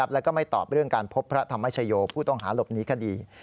แล้วก็ไม่ตอบเรื่องการพบพระธรรมชโยผู้ต้องหาหลบหนีคดี